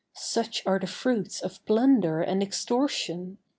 Such are the fruits of plunder and extortion!